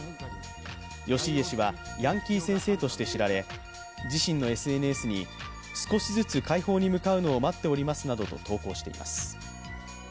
義家氏はヤンキー先生として知られ、自身のＳＮＳに少しずつ快方に向かうのを待っておりますなどと投稿しています。